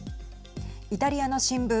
イタリアの新聞